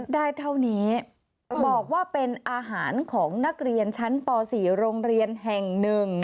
เท่านี้บอกว่าเป็นอาหารของนักเรียนชั้นป๔โรงเรียนแห่ง๑